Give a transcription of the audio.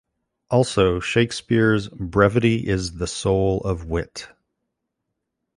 Also Shakespeare's "Brevity is the soul of wit".